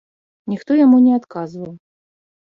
Ніхто яму не адказваў.